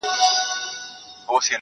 نو گراني تاته وايم.